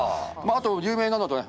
あと有名なのだとね